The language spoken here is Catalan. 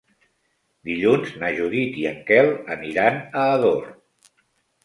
Dilluns na Judit i en Quel aniran a Ador.